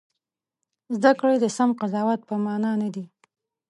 زده کړې د سم قضاوت په مانا نه دي.